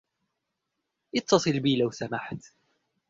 اتصل بي لو سمحت.